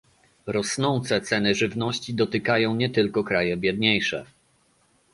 Rosnące ceny żywności dotykają nie tylko kraje biedniejsze